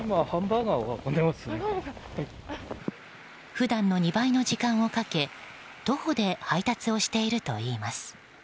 普段の２倍の時間をかけ徒歩で配達をしているといいます。